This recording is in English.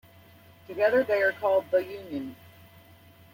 Together, they are called 'The Union'.